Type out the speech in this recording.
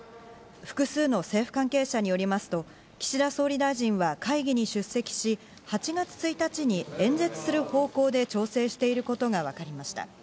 複数の政府関係者によりますと、岸田総理大臣は会議に出席し、８月１日に演説する方向で調整していることがわかりました。